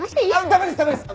ダメですダメです！